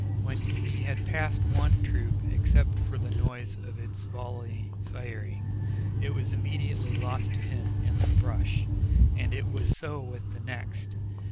When he had passed one troop, except for the noise of its volley firing, it was immediately lost to him in the brush, and it was so with the next.